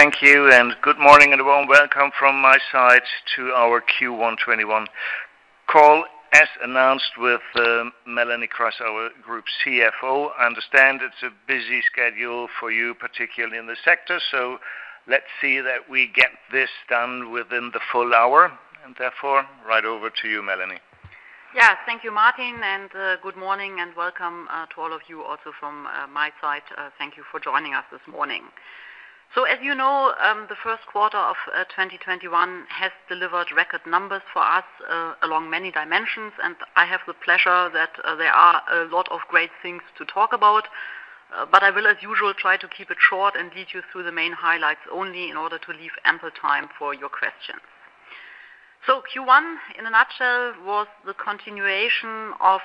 Thank you, and good morning, everyone. Welcome from my side to our Q1 2021 call, as announced with Melanie Kreis, our Group CFO. I understand it's a busy schedule for you, particularly in the sector, so let's see that we get this done within the full hour, and therefore, right over to you, Melanie. Yes. Thank you, Martin, good morning, and welcome to all of you also from my side. Thank you for joining us this morning. As you know, the first quarter of 2021 has delivered record numbers for us along many dimensions, I have the pleasure that there are a lot of great things to talk about. I will, as usual, try to keep it short and lead you through the main highlights only in order to leave ample time for your questions. Q1, in a nutshell, was the continuation of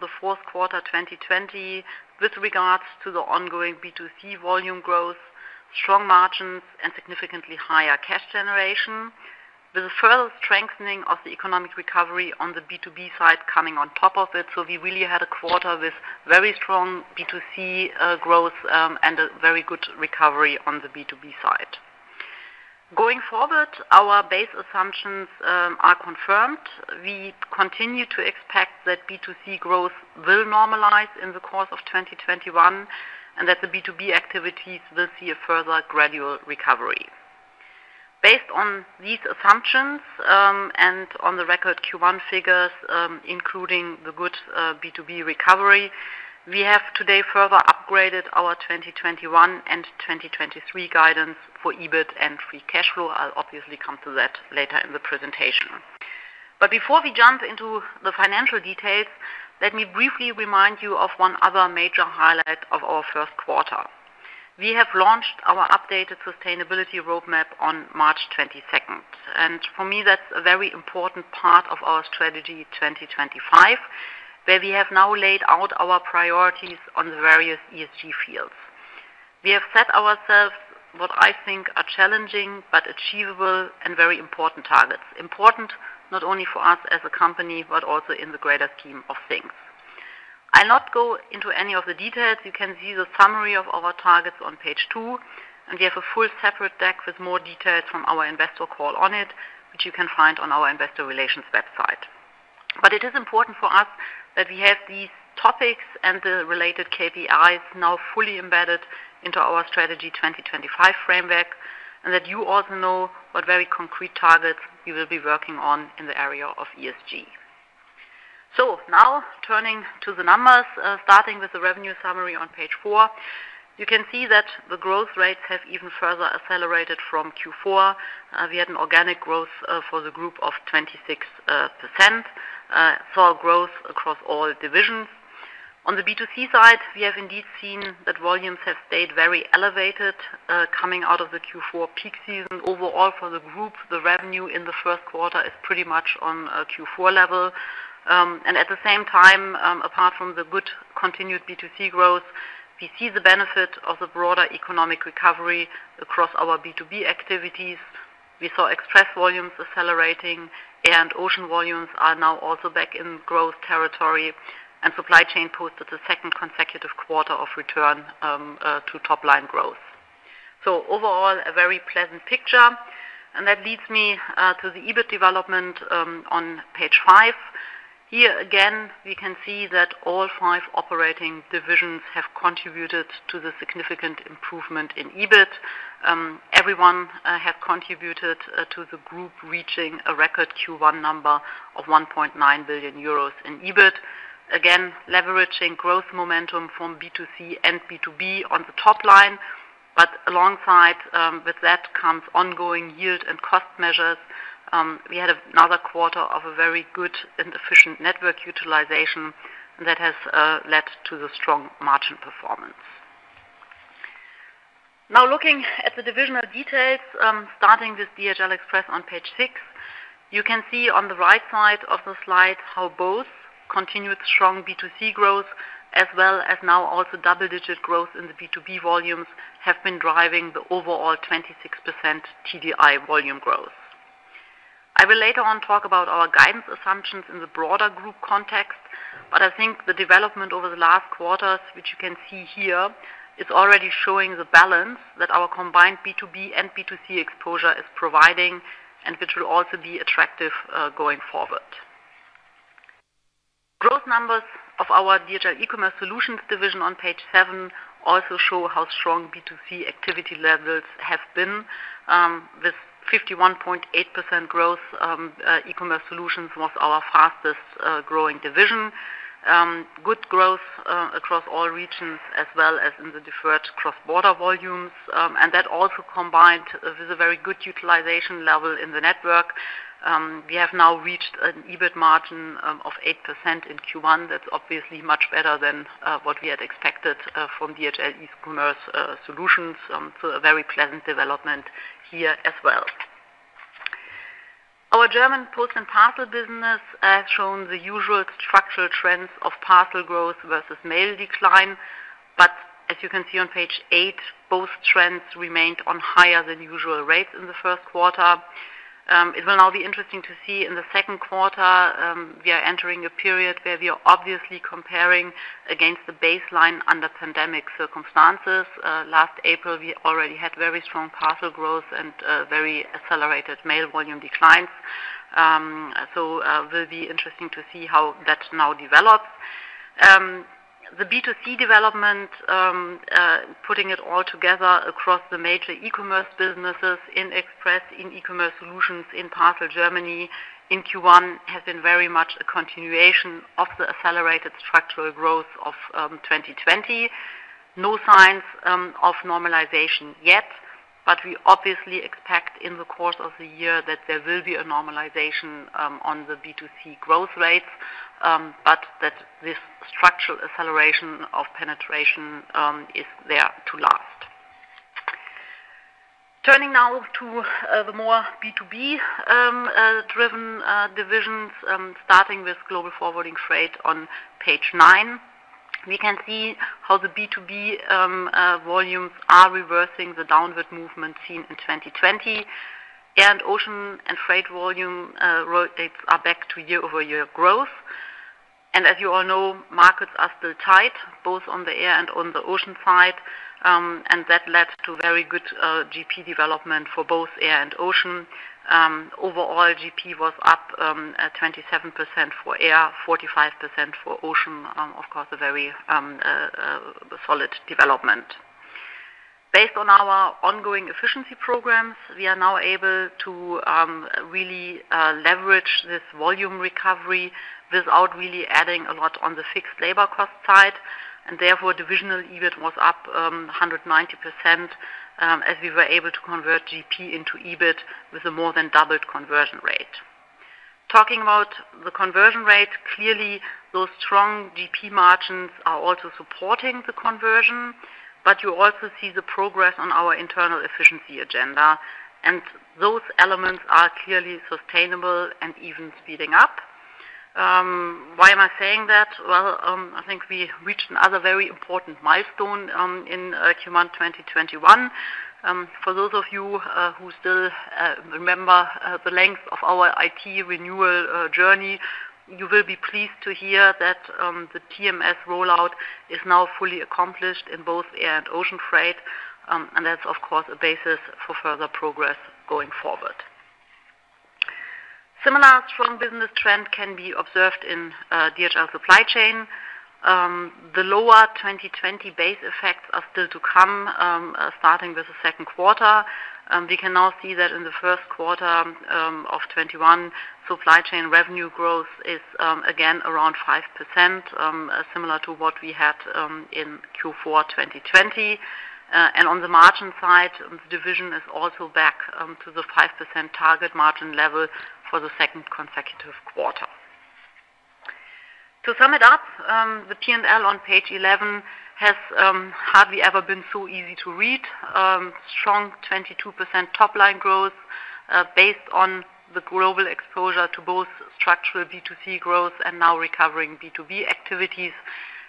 the fourth quarter 2020 with regards to the ongoing B2C volume growth, strong margins, and significantly higher cash generation, with a further strengthening of the economic recovery on the B2B side coming on top of it. We really had a quarter with very strong B2C growth, and a very good recovery on the B2B side. Going forward, our base assumptions are confirmed. We continue to expect that B2C growth will normalize in the course of 2021, and that the B2B activities will see a further gradual recovery. Based on these assumptions, and on the record Q1 figures, including the good B2B recovery, we have today further upgraded our 2021 and 2023 guidance for EBIT and free cash flow. I'll obviously come to that later in the presentation. Before we jump into the financial details, let me briefly remind you of one other major highlight of our first quarter. We have launched our updated sustainability roadmap on March 22nd, and for me, that's a very important part of our Strategy 2025, where we have now laid out our priorities on the various ESG fields. We have set ourselves what I think are challenging, but achievable and very important targets. Important not only for us as a company, but also in the greater scheme of things. I'll not go into any of the details. You can see the summary of our targets on page two, and we have a full separate deck with more details from our investor call on it, which you can find on our investor relations website. It is important for us that we have these topics and the related KPIs now fully embedded into our Strategy 2025 framework, and that you also know what very concrete targets we will be working on in the area of ESG. Now turning to the numbers, starting with the revenue summary on page four. You can see that the growth rates have even further accelerated from Q4. We had an organic growth for the Group of 26%, saw growth across all divisions. On the B2C side, we have indeed seen that volumes have stayed very elevated, coming out of the Q4 peak season. Overall, for the Group, the revenue in the first quarter is pretty much on a Q4 level. At the same time, apart from the good continued B2C growth, we see the benefit of the broader economic recovery across our B2B activities. We saw Express volumes accelerating and ocean volumes are now also back in growth territory, and Supply Chain posted the second consecutive quarter of return to top-line growth. Overall, a very pleasant picture. That leads me to the EBIT development on page five. Here again, we can see that all five operating divisions have contributed to the significant improvement in EBIT. Everyone have contributed to the Group reaching a record Q1 number of 1.9 billion euros in EBIT. Leveraging growth momentum from B2C and B2B on the top line, alongside with that comes ongoing yield and cost measures. We had another quarter of a very good and efficient network utilization that has led to the strong margin performance. Looking at the divisional details, starting with DHL Express on page six. You can see on the right side of the slide how both continued strong B2C growth as well as now also double-digit growth in the B2B volumes have been driving the overall 26% TDI volume growth. I will later on talk about our guidance assumptions in the broader Group context, I think the development over the last quarters, which you can see here, is already showing the balance that our combined B2B and B2C exposure is providing, and which will also be attractive going forward. Growth numbers of our DHL eCommerce Solutions division on page seven also show how strong B2C activity levels have been. With 51.8% growth, DHL eCommerce Solutions was our fastest-growing division. Good growth across all regions as well as in the deferred cross-border volumes, and that also combined with a very good utilization level in the network. We have now reached an EBIT margin of 8% in Q1. That's obviously much better than what we had expected from DHL eCommerce Solutions, a very pleasant development here as well. Our German Post & Parcel business has shown the usual structural trends of parcel growth versus mail decline. As you can see on page eight, both trends remained on higher than usual rates in the first quarter. It will now be interesting to see in the second quarter, we are entering a period where we are obviously comparing against the baseline under pandemic circumstances. Last April, we already had very strong parcel growth and very accelerated mail volume declines. It will be interesting to see how that now develops. The B2C development, putting it all together across the major e-commerce businesses in Express, in eCommerce Solutions, in Parcel Germany, in Q1, has been very much a continuation of the accelerated structural growth of 2020. No signs of normalization yet, but we obviously expect in the course of the year that there will be a normalization on the B2C growth rates, but that this structural acceleration of penetration is there to last. Turning now to the more B2B-driven divisions, starting with Global Forwarding, Freight on page nine. We can see how the B2B volumes are reversing the downward movement seen in 2020. Air and ocean and Freight volume rates are back to year-over-year growth. As you all know, markets are still tight, both on the air and on the ocean side, and that led to very good GP development for both air and ocean. Overall, GP was up 27% for air, 45% for ocean, of course, a very solid development. Based on our ongoing efficiency programs, we are now able to really leverage this volume recovery without really adding a lot on the fixed labor cost side, and therefore, divisional EBIT was up 190% as we were able to convert GP into EBIT with a more than doubled conversion rate. Talking about the conversion rate, clearly, those strong GP margins are also supporting the conversion, but you also see the progress on our internal efficiency agenda, and those elements are clearly sustainable and even speeding up. Why am I saying that? Well, I think we reached another very important milestone in Q1 2021. For those of you who still remember the length of our IT renewal journey, you will be pleased to hear that the TMS rollout is now fully accomplished in both air and ocean Freight, and that's, of course, a basis for further progress going forward. Similar strong business trend can be observed in DHL Supply Chain. The lower 2020 base effects are still to come, starting with the second quarter. We can now see that in the first quarter of 2021, Supply Chain revenue growth is again around 5%, similar to what we had in Q4 2020. On the margin side, the division is also back to the 5% target margin level for the second consecutive quarter. To sum it up, the P&L on page 11 has hardly ever been so easy to read. Strong 22% top-line growth based on the global exposure to both structural B2C growth and now recovering B2B activities,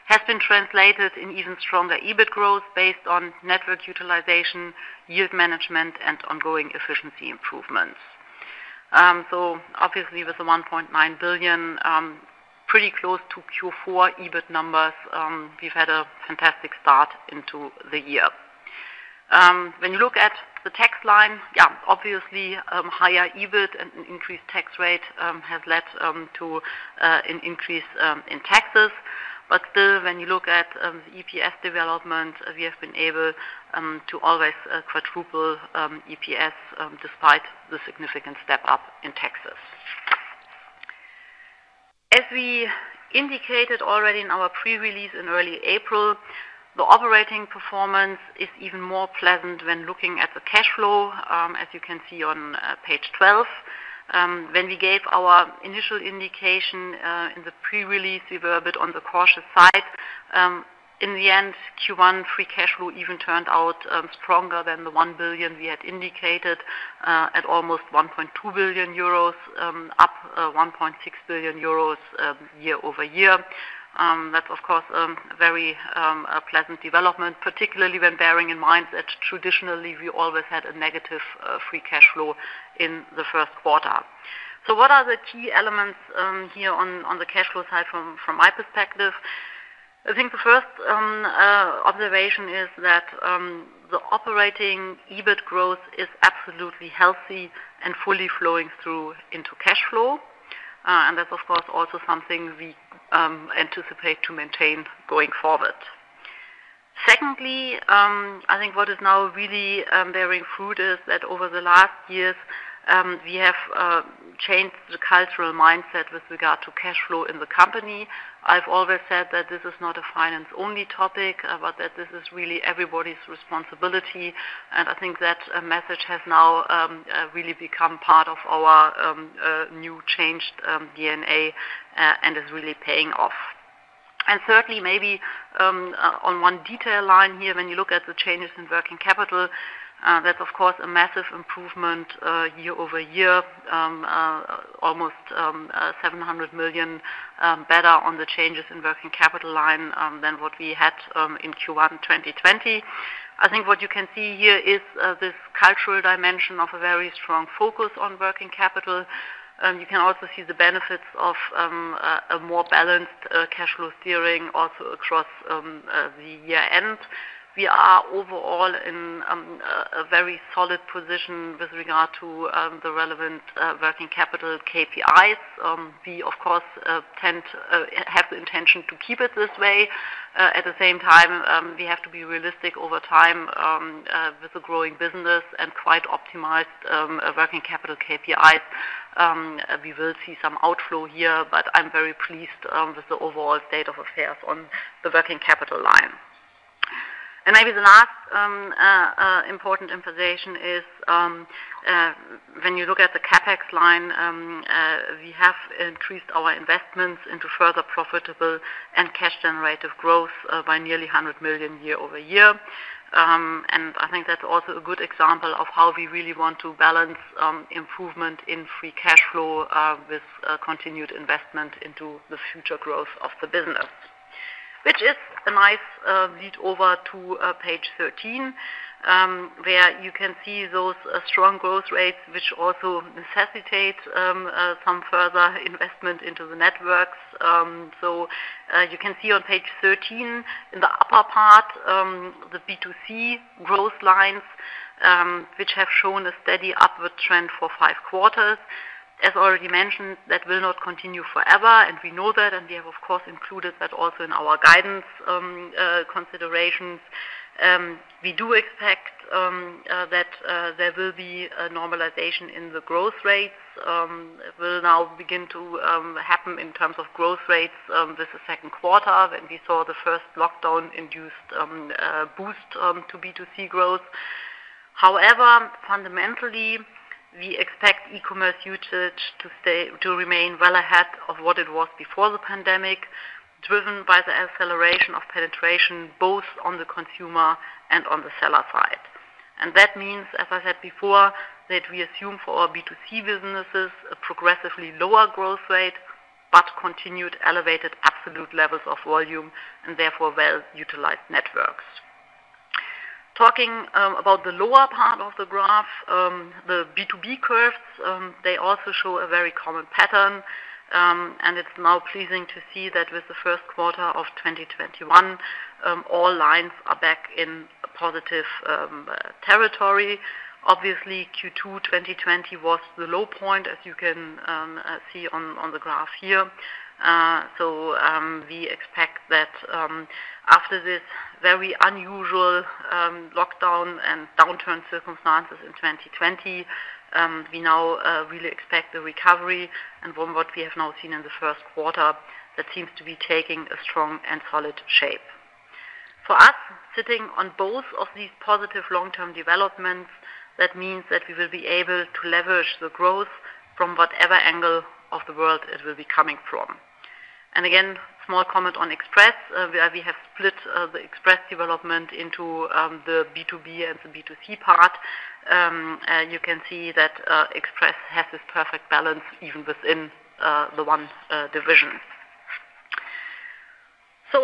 has been translated in even stronger EBIT growth based on network utilization, yield management, and ongoing efficiency improvements. Obviously, with the 1.9 billion, pretty close to Q4 EBIT numbers, we've had a fantastic start into the year. When you look at the tax line, yeah, obviously, higher EBIT and an increased tax rate have led to an increase in taxes. Still, when you look at the EPS development, we have been able to always quadruple EPS despite the significant step up in taxes. As we indicated already in our pre-release in early April, the operating performance is even more pleasant when looking at the cash flow, as you can see on page 12. When we gave our initial indication in the pre-release, we were a bit on the cautious side. In the end, Q1 free cash flow even turned out stronger than the 1 billion we had indicated at almost 1.2 billion euros, up 1.6 billion euros year-over-year. That's, of course, a very pleasant development, particularly when bearing in mind that traditionally we always had a negative free cash flow in the first quarter. What are the key elements here on the cash flow side from my perspective? I think the first observation is that the operating EBIT growth is absolutely healthy and fully flowing through into cash flow. That's, of course, also something we anticipate to maintain going forward. Secondly, I think what is now really bearing fruit is that over the last years, we have changed the cultural mindset with regard to cash flow in the company. I've always said that this is not a finance-only topic, but that this is really everybody's responsibility, and I think that message has now really become part of our new changed DNA and is really paying off. Thirdly, maybe on one detail line here, when you look at the changes in working capital, that's of course a massive improvement year-over-year, almost 700 million better on the changes in working capital line than what we had in Q1 2020. I think what you can see here is this cultural dimension of a very strong focus on working capital. You can also see the benefits of a more balanced cash flow steering also across the year end. We are overall in a very solid position with regard to the relevant working capital KPIs. We, of course, have the intention to keep it this way. At the same time, we have to be realistic over time with the growing business and quite optimized working capital KPIs. We will see some outflow here, but I'm very pleased with the overall state of affairs on the working capital line. Maybe the last important emphasis is, when you look at the CapEx line, we have increased our investments into further profitable and cash generative growth by nearly 100 million year-over-year. I think that's also a good example of how we really want to balance improvement in free cash flow with continued investment into the future growth of the business, which is a nice lead over to page 13, where you can see those strong growth rates, which also necessitate some further investment into the networks. You can see on page 13, in the upper part, the B2C growth lines, which have shown a steady upward trend for five quarters. As already mentioned, that will not continue forever, and we know that, and we have, of course, included that also in our guidance considerations. We do expect that there will be a normalization in the growth rates, will now begin to happen in terms of growth rates with the second quarter, when we saw the first lockdown-induced boost to B2C growth. Fundamentally, we expect e-commerce usage to remain well ahead of what it was before the pandemic, driven by the acceleration of penetration, both on the consumer and on the seller side. That means, as I said before, that we assume for our B2C businesses a progressively lower growth rate, but continued elevated absolute levels of volume, and therefore well-utilized networks. Talking about the lower part of the graph, the B2B curves, they also show a very common pattern. It's now pleasing to see that with the first quarter of 2021, all lines are back in positive territory. Obviously, Q2 2020 was the low point, as you can see on the graph here. We expect that after this very unusual lockdown and downturn circumstances in 2020, we now really expect a recovery and from what we have now seen in the first quarter, that seems to be taking a strong and solid shape. For us, sitting on both of these positive long-term developments, that means that we will be able to leverage the growth from whatever angle of the world it will be coming from. Again, small comment on Express, where we have split the Express development into the B2B and the B2C part. You can see that Express has this perfect balance even within the one division.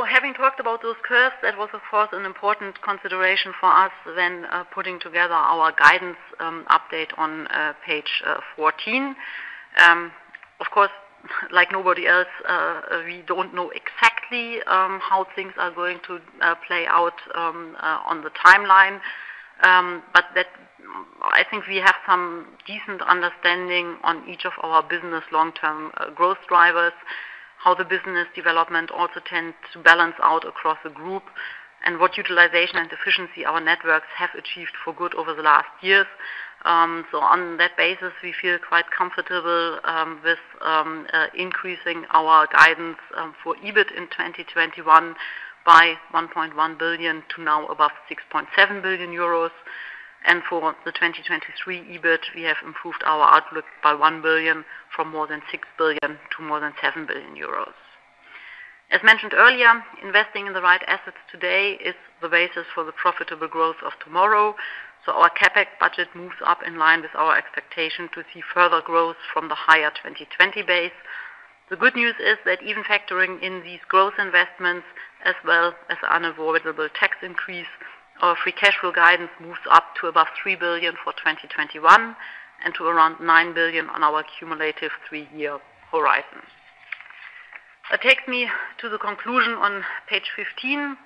Having talked about those curves, that was, of course, an important consideration for us when putting together our guidance update on page 14. Of course, like nobody else, we don't know exactly how things are going to play out on the timeline. I think we have some decent understanding on each of our business long-term growth drivers, how the business development also tends to balance out across the group, and what utilization and efficiency our networks have achieved for good over the last years. On that basis, we feel quite comfortable with increasing our guidance for EBIT in 2021 by 1.1 billion to now above 6.7 billion euros. For the 2023 EBIT, we have improved our outlook by 1 billion from more than 6 billion to more than 7 billion euros. As mentioned earlier, investing in the right assets today is the basis for the profitable growth of tomorrow. Our CapEx budget moves up in line with our expectation to see further growth from the higher 2020 base. The good news is that even factoring in these growth investments as well as unavoidable tax increase, our free cash flow guidance moves up to above 3 billion for 2021 and to around 9 billion on our cumulative three-year horizon. That takes me to the conclusion on page 15.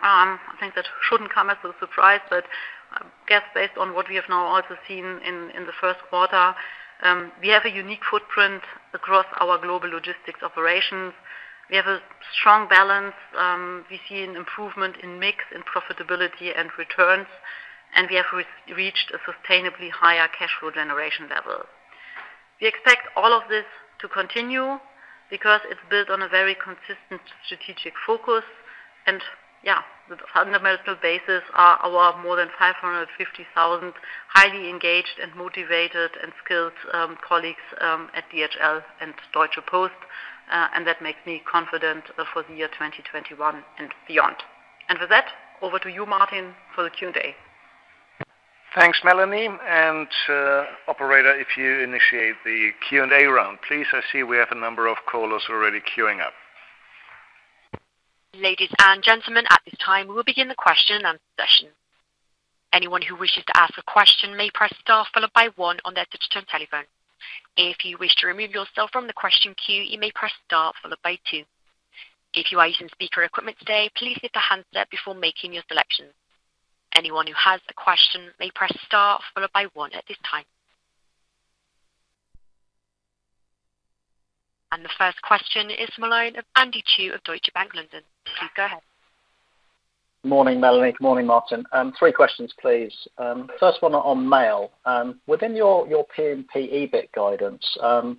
I think that shouldn't come as a surprise, but I guess based on what we have now also seen in the first quarter, we have a unique footprint across our global logistics operations. We have a strong balance. We see an improvement in mix, in profitability, and returns, and we have reached a sustainably higher cash flow generation level. We expect all of this to continue because it's built on a very consistent strategic focus. Yeah, the fundamental basis are our more than 550,000 highly engaged and motivated and skilled colleagues at DHL and Deutsche Post. That makes me confident for the year 2021 and beyond. With that, over to you, Martin, for the Q&A. Thanks, Melanie. Operator, if you initiate the Q&A round, please. I see we have a number of callers already queuing up. Ladies and gentlemen, at this time, we'll begin the question and answer session. Anyone who wishes to ask a question may press star followed by one on their touch-tone telephone. If you wish to remove yourself from the question queue, you may press star followed by two. If you are speakerphone equipment today, please lift the handset before making a selection. Anyone who has a question may press star followed by one. At this time. The first question is the line of Andy Chu of Deutsche Bank, London. Please go ahead. Morning, Melanie. Morning, Martin. Three questions, please. First one on Mail. Within your P&P EBIT guidance, are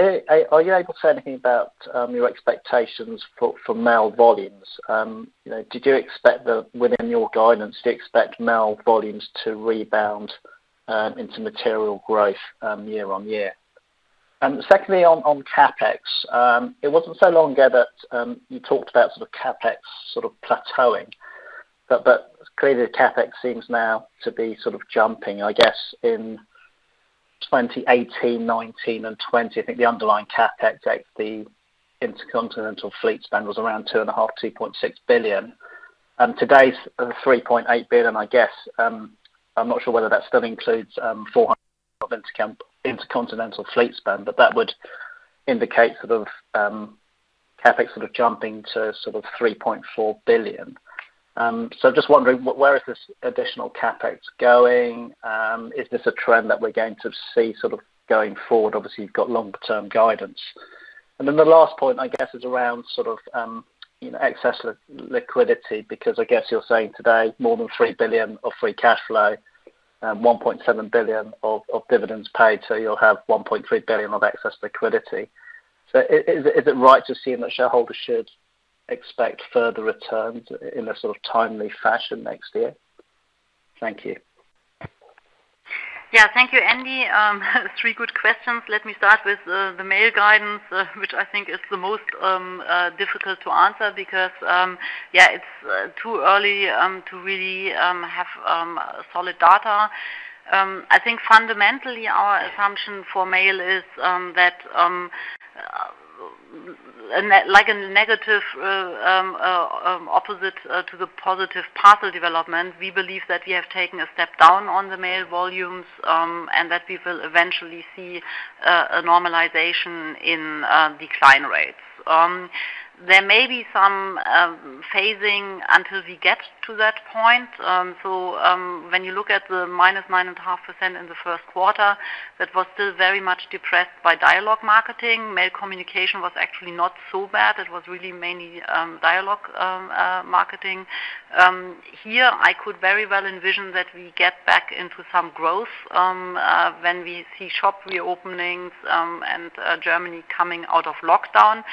you able to say anything about your expectations for Mail volumes? Within your guidance, do you expect Mail volumes to rebound into material growth year-on-year? Secondly, on CapEx. It wasn't so long ago that you talked about CapEx plateauing, but clearly the CapEx seems now to be jumping, I guess, in 2018, 2019 and 2020. I think the underlying CapEx at the intercontinental fleet spend was around two and a half billion, 2.6 billion. Today's 3.8 billion, I guess. I'm not sure whether that still includes 400 million intercontinental fleet spend, but that would indicate CapEx jumping to 3.4 billion. Just wondering, where is this additional CapEx going? Is this a trend that we're going to see going forward? Obviously, you've got longer-term guidance. The last point, I guess, is around excess liquidity, because I guess you're saying today more than 3 billion of free cash flow, 1.7 billion of dividends paid, so you'll have 1.3 billion of excess liquidity. Is it right to assume that shareholders should expect further returns in a timely fashion next year? Thank you. Thank you, Andy. Three good questions. Let me start with the Mail guidance, which I think is the most difficult to answer because, yeah, it's too early to really have solid data. I think fundamentally our assumption for Mail is that, like a negative opposite to the positive parcel development, we believe that we have taken a step down on the Mail volumes, and that we will eventually see a normalization in decline rates. There may be some phasing until we get to that point. When you look at the -9.5% in the first quarter, that was still very much depressed by dialogue marketing. Mail communication was actually not so bad. It was really mainly dialogue marketing. Here I could very well envision that we get back into some growth, when we see shop reopenings and Germany coming out of lockdown.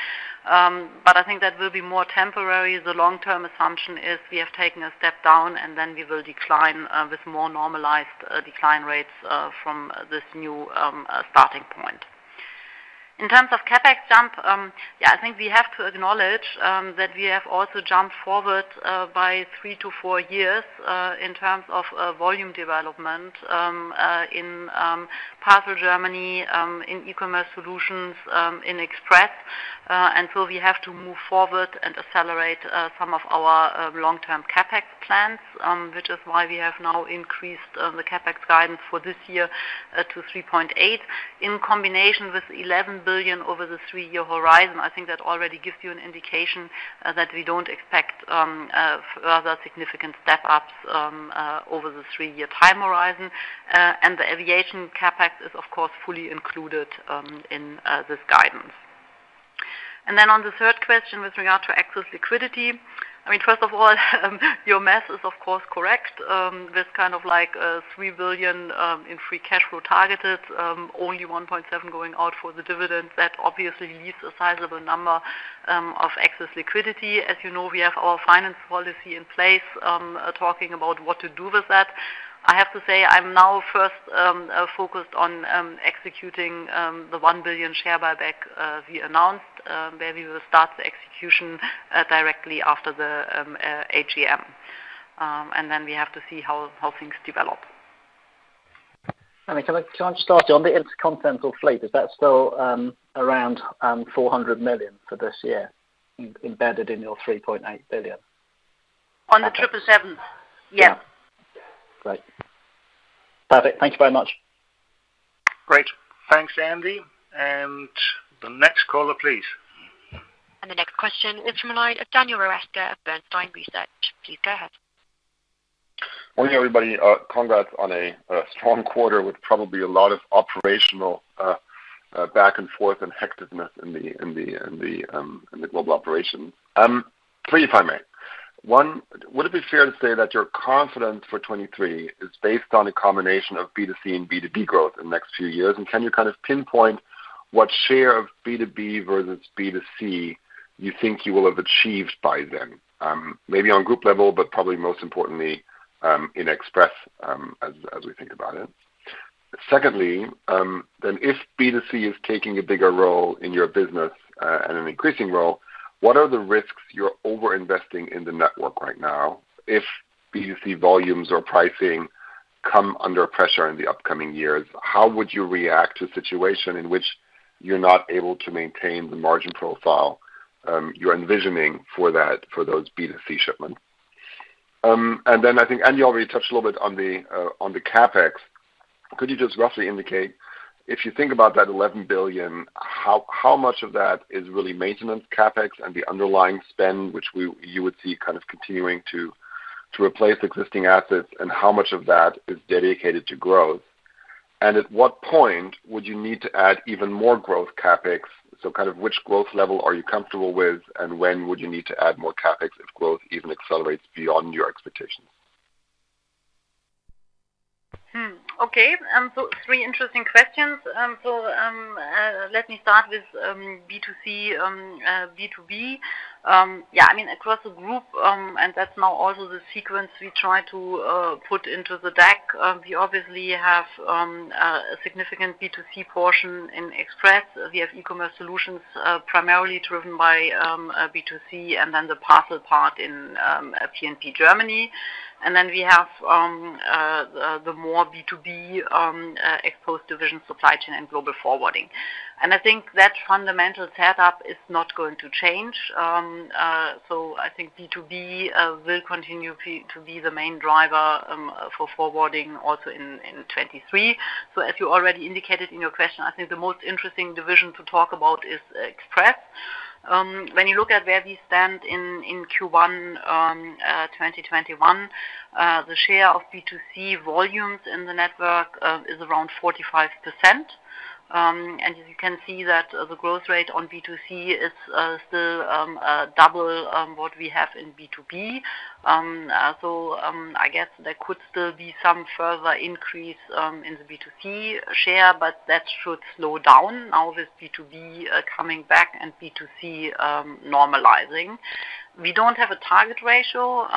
I think that will be more temporary. The long-term assumption is we have taken a step down and then we will decline with more normalized decline rates from this new starting point. In terms of CapEx jump, I think we have to acknowledge that we have also jumped forward by three to four years in terms of volume development in Parcel Germany, in eCommerce Solutions, in Express. We have to move forward and accelerate some of our long-term CapEx plans, which is why we have now increased the CapEx guidance for this year to 3.8 in combination with 11 billion over the three-year horizon. I think that already gives you an indication that we don't expect further significant step-ups over the three-year time horizon. The aviation CapEx is, of course, fully included in this guidance. On the third question with regard to excess liquidity, first of all, your math is, of course, correct. This kind of 3 billion in free cash flow targeted, only 1.7 going out for the dividends. That obviously leaves a sizable number of excess liquidity. As you know, we have our finance policy in place, talking about what to do with that. I have to say, I'm now first focused on executing the 1 billion share buyback we announced, where we will start the execution directly after the AGM. Then we have to see how things develop. Melanie, can I just ask you, on the intercontinental fleet, is that still around 400 million for this year embedded in your 3.8 billion? On the Boeing 777. Yeah. Great. Perfect. Thank you very much. Great. Thanks, Andy. The next caller, please. The next question is from the line of Daniel Röska of Bernstein Research. Please go ahead. Morning, everybody. Congrats on a strong quarter with probably a lot of operational back and forth and hectic-ness in the global operation. Three, if I may. One. Would it be fair to say that your confidence for 2023 is based on a combination of B2C and B2B growth in the next few years? Can you kind of pinpoint what share of B2B versus B2C you think you will have achieved by then? Maybe on group level, but probably most importantly, in Express as we think about it. Secondly, if B2C is taking a bigger role in your business and an increasing role, what are the risks you're over-investing in the network right now? If B2C volumes or pricing come under pressure in the upcoming years, how would you react to a situation in which you're not able to maintain the margin profile you're envisioning for those B2C shipments? I think, Andy already touched a little bit on the CapEx. Could you just roughly indicate, if you think about that 11 billion, how much of that is really maintenance CapEx and the underlying spend, which you would see kind of continuing to replace existing assets, and how much of that is dedicated to growth? At what point would you need to add even more growth CapEx? Kind of which growth level are you comfortable with, and when would you need to add more CapEx if growth even accelerates beyond your expectations? Okay. Three interesting questions. Let me start with B2C, B2B. Yeah, I mean, across the group, and that's now also the sequence we try to put into the deck. We obviously have a significant B2C portion in Express. We have eCommerce Solutions, primarily driven by B2C, and then the parcel part in P&P Germany. Then we have the more B2B Express division Supply Chain and Global Forwarding. I think that fundamental setup is not going to change. I think B2B will continue to be the main driver for forwarding also in 2023. As you already indicated in your question, I think the most interesting division to talk about is Express. When you look at where we stand in Q1 2021, the share of B2C volumes in the network is around 45%. As you can see that the growth rate on B2C is still double what we have in B2B. I guess there could still be some further increase in the B2C share, but that should slow down now with B2B coming back and B2C normalizing. We don't have a target ratio.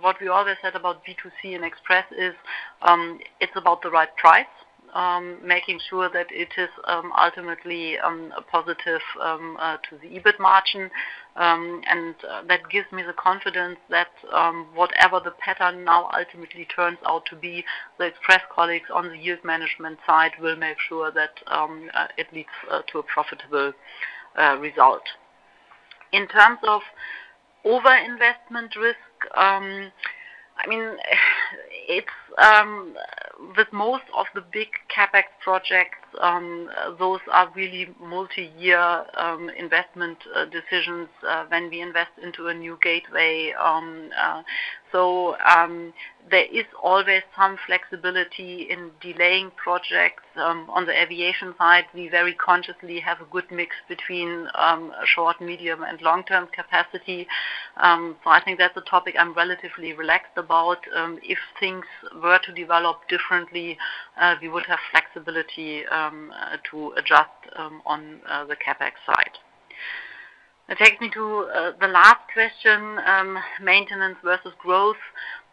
What we always said about B2C and Express is, it's about the right price, making sure that it is ultimately positive to the EBIT margin. That gives me the confidence that whatever the pattern now ultimately turns out to be, the Express colleagues on the yield management side will make sure that it leads to a profitable result. In terms of over-investment risk, I mean, with most of the big CapEx projects, those are really multi-year investment decisions when we invest into a new gateway. There is always some flexibility in delaying projects. On the aviation side, we very consciously have a good mix between short, medium, and long-term capacity. I think that's a topic I'm relatively relaxed about. If things were to develop differently, we would have flexibility to adjust on the CapEx side. That takes me to the last question, maintenance versus growth.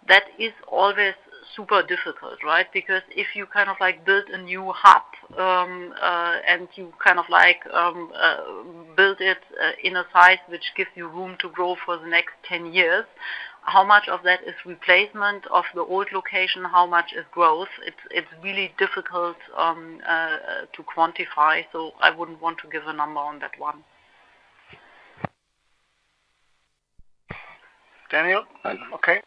That is always super difficult, right? Because if you kind of build a new hub, and you kind of build it in a size which gives you room to grow for the next 10 years. How much of that is replacement of the old location? How much is growth? It's really difficult to quantify, so I wouldn't want to give a number on that one. Daniel? Okay.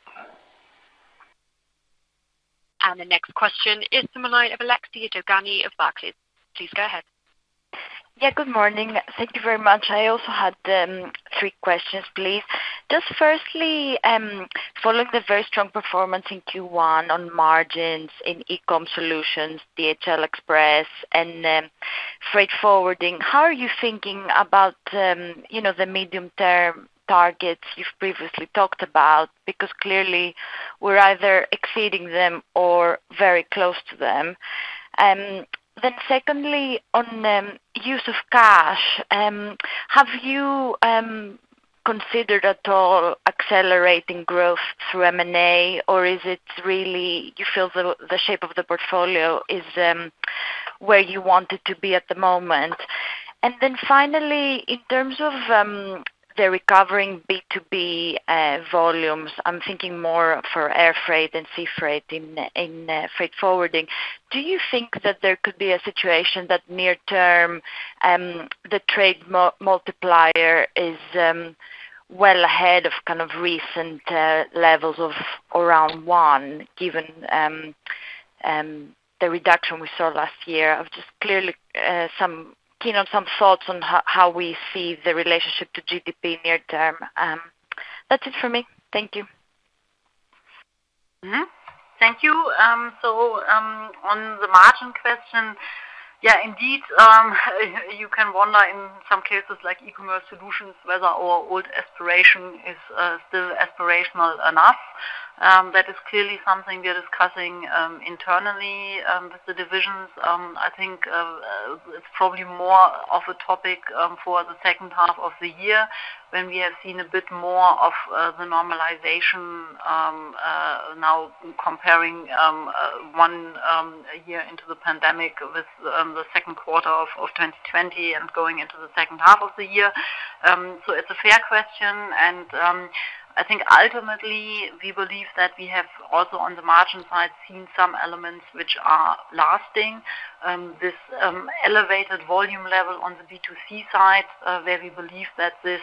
The next question is the line of Alexia Dogani of Barclays. Please go ahead. Yeah, good morning. Thank you very much. I also had three questions, please. Firstly, following the very strong performance in Q1 on margins in eCommerce Solutions, DHL Express, and Freight Forwarding, how are you thinking about the medium-term targets you've previously talked about? Clearly, we're either exceeding them or very close to them. Secondly, on use of cash, have you considered at all accelerating growth through M&A? Is it really you feel the shape of the portfolio is where you want it to be at the moment? Finally, in terms of the recovering B2B volumes, I'm thinking more for air freight and sea freight in Freight Forwarding. Do you think that there could be a situation that near term, the trade multiplier is well ahead of kind of recent levels of around one, given the reduction we saw last year? I'm just clearly keen on some thoughts on how we see the relationship to GDP near term. That's it for me. Thank you. Thank you. On the margin question, yeah, indeed, you can wonder in some cases like eCommerce Solutions, whether our old aspiration is still aspirational enough. That is clearly something we are discussing internally with the divisions. I think it's probably more of a topic for the second half of the year when we have seen a bit more of the normalization now comparing one year into the pandemic with the second quarter of 2020 and going into the second half of the year. It's a fair question, and I think ultimately, we believe that we have also, on the margin side, seen some elements which are lasting. This elevated volume level on the B2C side, where we believe that this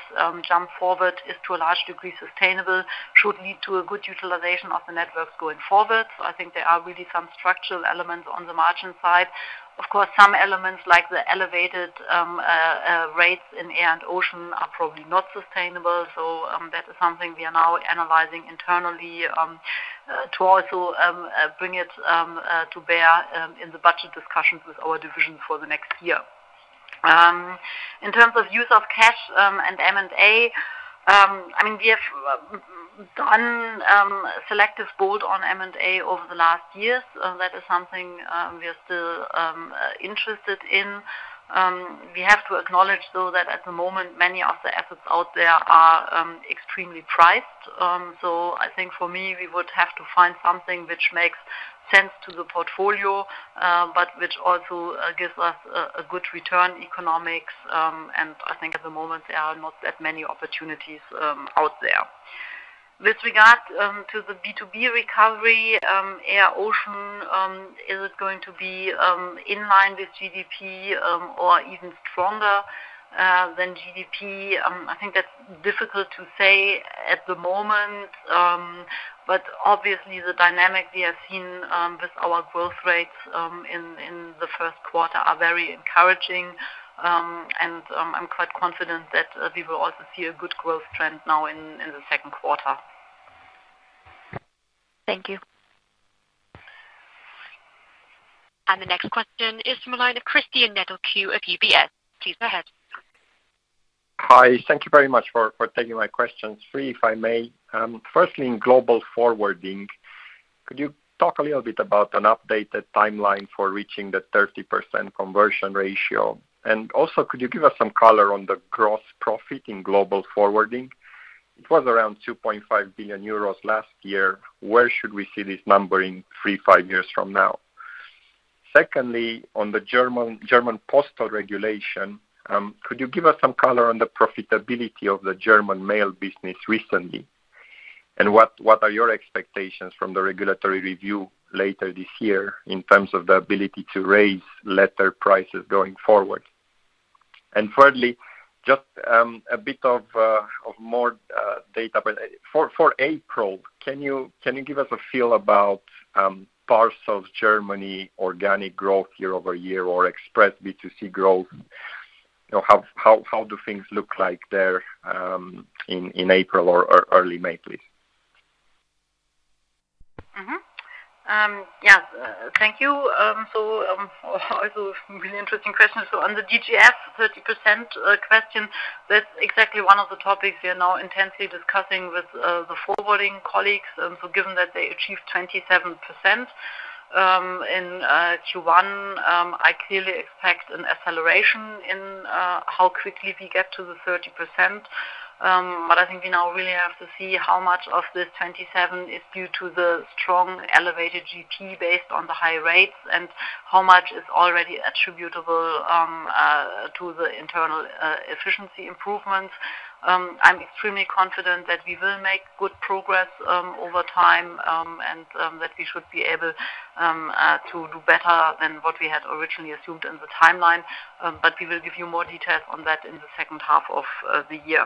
jump forward is to a large degree sustainable, should lead to a good utilization of the networks going forward. I think there are really some structural elements on the margin side. Of course, some elements like the elevated rates in air and ocean are probably not sustainable. That is something we are now analyzing internally, to also bring it to bear in the budget discussions with our division for the next year. In terms of use of cash and M&A, we have done selective bolt-on M&A over the last years. That is something we are still interested in. We have to acknowledge, though, that at the moment, many of the assets out there are extremely priced. I think for me, we would have to find something which makes sense to the portfolio, but which also gives us a good return economics. I think at the moment, there are not that many opportunities out there. With regard to the B2B recovery, air, ocean is going to be in line with GDP or even stronger than GDP. I think that's difficult to say at the moment. Obviously, the dynamic we have seen with our growth rates in the first quarter are very encouraging. I'm quite confident that we will also see a good growth trend now in the second quarter. Thank you. The next question is the line of Cristian Nedelcu of UBS. Please go ahead. Hi. Thank you very much for taking my questions. Three, if I may. Firstly, in Global Forwarding, could you talk a little bit about an updated timeline for reaching the 30% conversion ratio? Also, could you give us some color on the gross profit in Global Forwarding? It was around 2.5 billion euros last year. Where should we see this number in three, five years from now? Secondly, on the German postal regulation, could you give us some color on the profitability of the German mail business recently? What are your expectations from the regulatory review later this year in terms of the ability to raise letter prices going forward? Thirdly, just a bit of more data. For April, can you give us a feel about Parcels Germany organic growth year-over-year or Express B2C growth? How do things look like there, in April or early May, please? Yeah. Thank you. Also really interesting question. On the DGF 30% question, that's exactly one of the topics we are now intensely discussing with the forwarding colleagues. Given that they achieved 27% in Q1, I clearly expect an acceleration in how quickly we get to the 30%. I think we now really have to see how much of this 27% is due to the strong elevated GP based on the high rates and how much is already attributable to the internal efficiency improvements. I'm extremely confident that we will make good progress over time, and that we should be able to do better than what we had originally assumed in the timeline. We will give you more details on that in the second half of the year.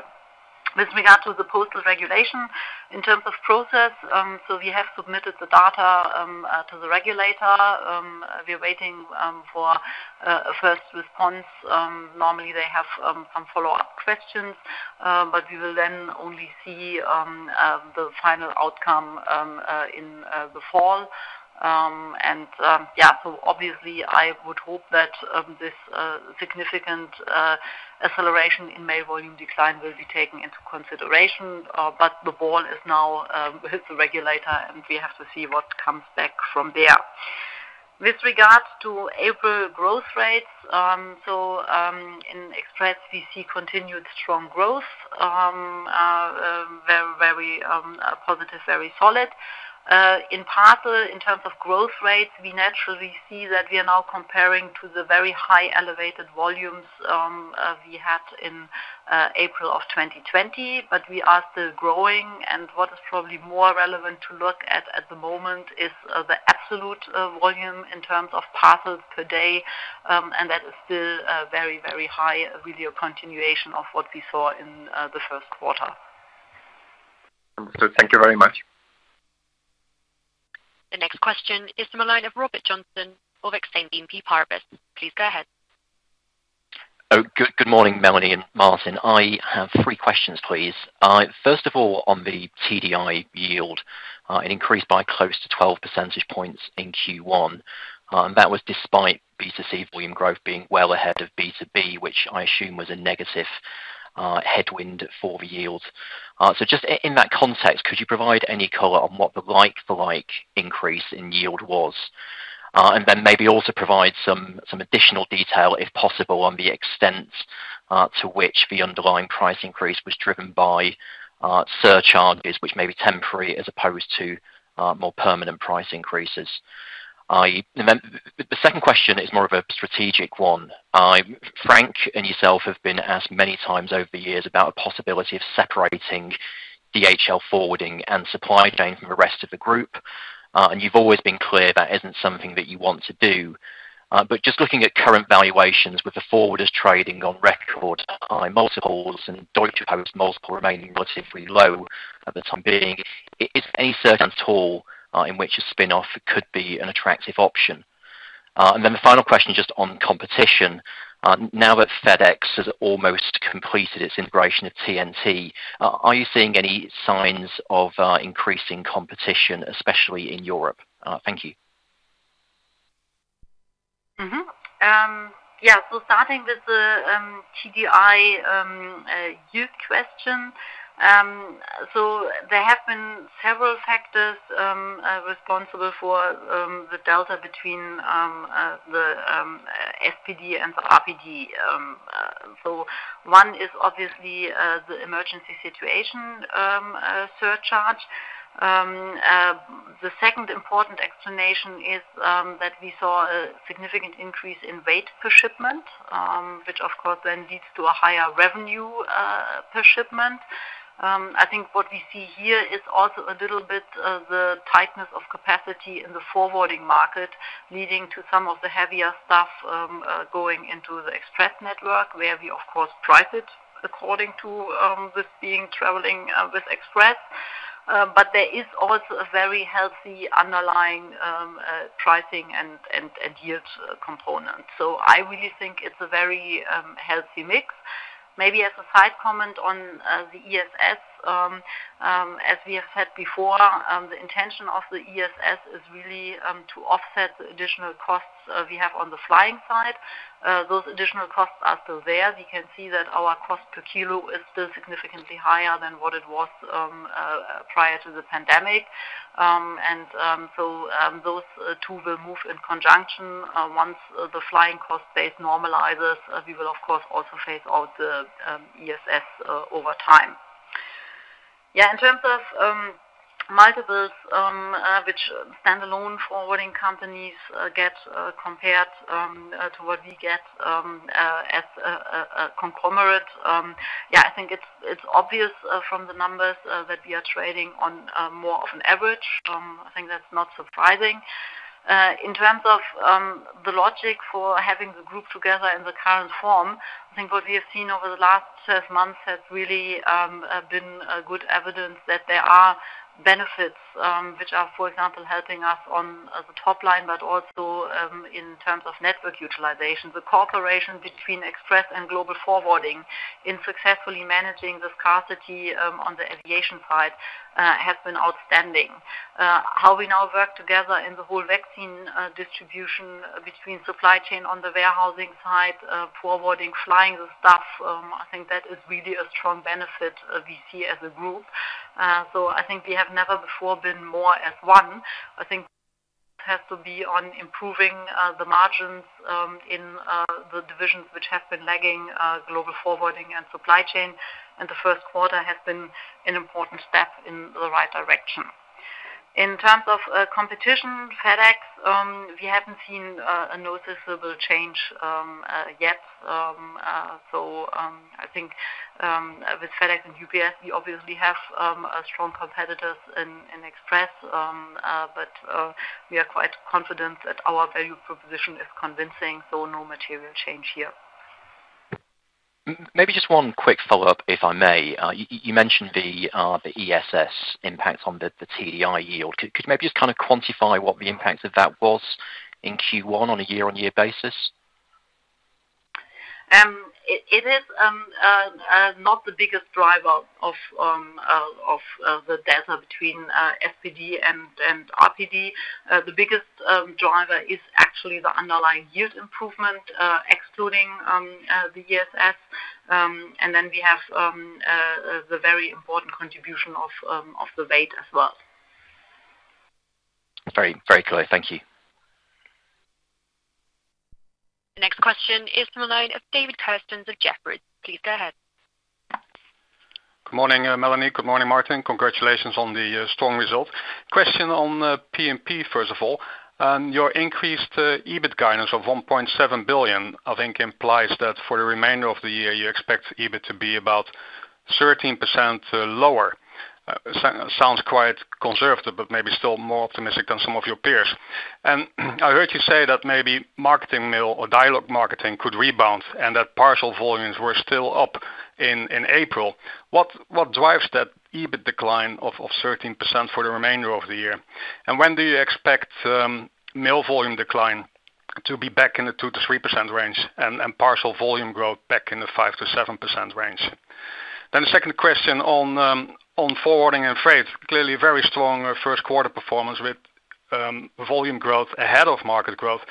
With regard to the postal regulation, in terms of process, we have submitted the data to the regulator. We are waiting for a first response. Normally, they have some follow-up questions. We will then only see the final outcome in the fall. Yeah, obviously, I would hope that this significant acceleration in mail volume decline will be taken into consideration. The ball now hits the regulator, and we have to see what comes back from there. With regards to April growth rates, in Express, we see continued strong growth. Very positive, very solid. In parcel, in terms of growth rates, we naturally see that we are now comparing to the very high elevated volumes we had in April of 2020, but we are still growing. What is probably more relevant to look at the moment, is the absolute volume in terms of parcels per day, and that is still very, very high with your continuation of what we saw in the first quarter. Thank you very much. The next question is the line of Robert Joynson of Exane BNP Paribas. Please go ahead. Oh, good morning, Melanie and Martin. I have three questions, please. First of all, on the TDI yield, it increased by close to 12 percentage points in Q1. That was despite B2C volume growth being well ahead of B2B, which I assume was a negative headwind for the yield. Just in that context, could you provide any color on what the like increase in yield was? Maybe also provide some additional detail, if possible, on the extent to which the underlying price increase was driven by surcharges, which may be temporary as opposed to more permanent price increases. The second question is more of a strategic one. Frank and yourself have been asked many times over the years about the possibility of separating DHL Forwarding and Supply Chain from the rest of the group. You've always been clear that isn't something that you want to do. Just looking at current valuations with the forwarders trading on record high multiples and Deutsche Post multiples remaining relatively low for the time being, is there any circumstance at all in which a spin-off could be an attractive option? The final question, just on competition. Now that FedEx has almost completed its integration of TNT, are you seeing any signs of increasing competition, especially in Europe? Thank you. Starting with the TDI yield question. There have been several factors responsible for the delta between the SPD and the RPD. One is obviously the emergency situation surcharge. The second important explanation is that we saw a significant increase in weight per shipment, which of course then leads to a higher revenue per shipment. I think what we see here is also a little bit of the tightness of capacity in the forwarding market, leading to some of the heavier stuff going into the Express network, where we of course price it according to this being traveling with Express. There is also a very healthy underlying pricing and yield component. I really think it's a very healthy mix. Maybe as a side comment on the ESS, as we have said before, the intention of the ESS is really to offset the additional costs we have on the flying side. Those additional costs are still there. We can see that our cost per kilo is still significantly higher than what it was prior to the pandemic. Those two will move in conjunction. Once the flying cost base normalizes, we will of course also phase out the ESS over time. In terms of multiples, which standalone forwarding companies get compared to what we get as a conglomerate, yeah, I think it's obvious from the numbers that we are trading on more of an average. I think that's not surprising. In terms of the logic for having the group together in the current form, I think what we have seen over the last 12 months has really been good evidence that there are benefits, which are, for example, helping us on the top line, but also in terms of network utilization. The cooperation between Express and Global Forwarding in successfully managing the scarcity on the aviation side has been outstanding. How we now work together in the whole vaccine distribution between Supply Chain on the warehousing side, forwarding, flying the stuff, I think that is really a strong benefit we see as a group. I think we have never before been more as one. I think it has to be on improving the margins in the divisions which have been lagging Global Forwarding and Supply Chain, and the first quarter has been an important step in the right direction. In terms of competition, FedEx, we haven't seen a noticeable change yet. I think with FedEx and UPS, we obviously have strong competitors in Express, but we are quite confident that our value proposition is convincing, so no material change here. Maybe just one quick follow-up, if I may. You mentioned the ESS impact on the TDI yield. Could you maybe just kind of quantify what the impact of that was in Q1 on a year-on-year basis? It is not the biggest driver of the delta between SPD and RPD. The biggest driver is actually the underlying yield improvement, excluding the ESS, and then we have the very important contribution of the weight as well. Very clear. Thank you. The next question is the line of David Kerstens of Jefferies. Please go ahead. Good morning, Melanie. Good morning, Martin. Congratulations on the strong result. Question on P&P, first of all. Your increased EBIT guidance of 1.7 billion, I think, implies that for the remainder of the year, you expect EBIT to be about 13% lower. Sounds quite conservative, but maybe still more optimistic than some of your peers. I heard you say that maybe marketing mail or dialogue marketing could rebound and that parcel volumes were still up in April. What drives that EBIT decline of 13% for the remainder of the year? When do you expect mail volume decline to be back in the 2%-3% range and parcel volume growth back in the 5%-7% range? The second question on forwarding and freight, clearly very strong first quarter performance with volume growth ahead of market growth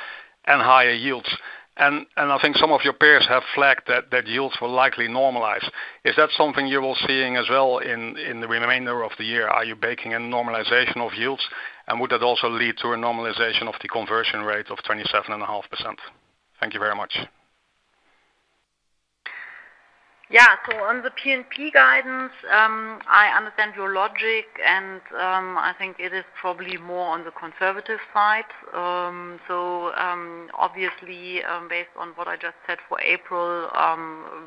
and higher yields. I think some of your peers have flagged that yields will likely normalize. Is that something you are seeing as well in the remainder of the year? Are you baking in normalization of yields, and would that also lead to a normalization of the conversion rate of 27.5%? Thank you very much. Yeah. On the P&P guidance, I understand your logic, and I think it is probably more on the conservative side. Obviously, based on what I just said for April,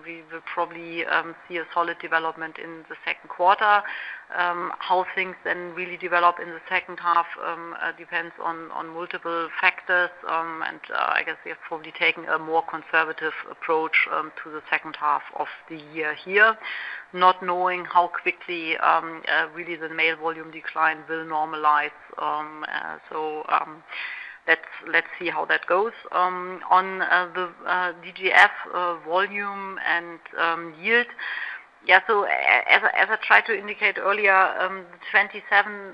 we will probably see a solid development in the second quarter. How things then really develop in the second half depends on multiple factors. I guess we have probably taken a more conservative approach to the second half of the year here, not knowing how quickly really the mail volume decline will normalize. Let's see how that goes. On the DGF volume and yield. As I tried to indicate earlier, 27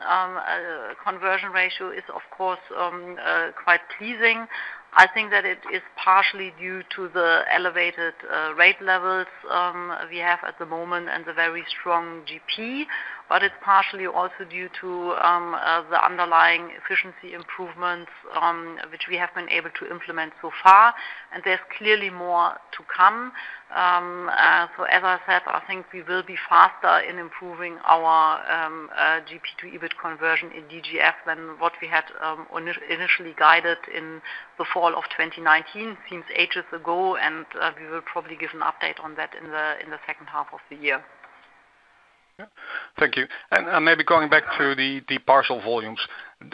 conversion ratio is, of course, quite pleasing. I think that it is partially due to the elevated rate levels we have at the moment and the very strong GP, but it's partially also due to the underlying efficiency improvements, which we have been able to implement so far. There's clearly more to come. As I said, I think we will be faster in improving our GP to EBIT conversion in DGF than what we had initially guided in the fall of 2019. Seems ages ago, and we will probably give an update on that in the second half of the year. Yeah. Thank you. Maybe going back to the parcel volumes,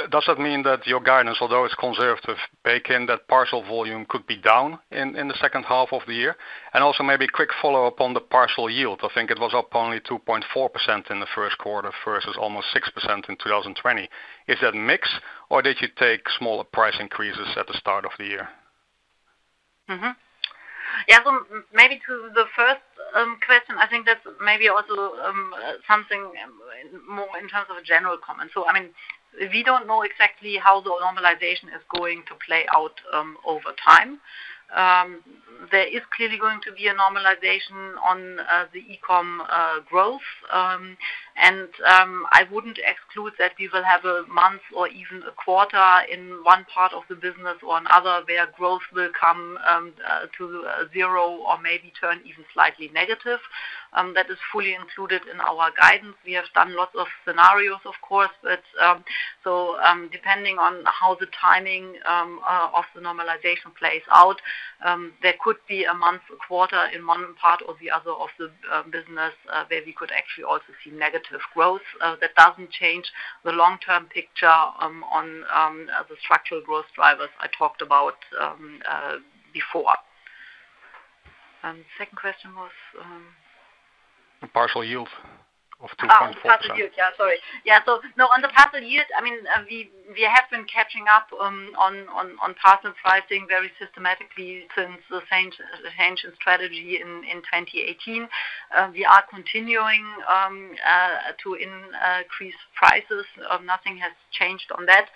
does that mean that your guidance, although it's conservative, bake in that parcel volume could be down in the second half of the year? Also maybe a quick follow-up on the parcel yield. I think it was up only 2.4% in the first quarter versus almost 6% in 2020. Is that mix, or did you take smaller price increases at the start of the year? Yeah. Maybe to the first question, I think that's maybe also something more in terms of a general comment. We don't know exactly how the normalization is going to play out over time. There is clearly going to be a normalization on the e-commerce growth. I wouldn't exclude that we will have a month or even a quarter in one part of the business or another where growth will come to zero or maybe turn even slightly negative. That is fully included in our guidance. We have done lots of scenarios, of course. Depending on how the timing of the normalization plays out, there could be a month, a quarter in one part or the other of the business, where we could actually also see negative growth. That doesn't change the long-term picture on the structural growth drivers I talked about before. Second question was? Parcel yield of 2.4%. Parcel yield. Yeah, sorry. Yeah. On the parcel yield, we have been catching up on parcel pricing very systematically since the change in strategy in 2018. We are continuing to increase prices. Nothing has changed on that.